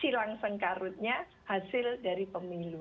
silang sengkarutnya hasil dari pemilu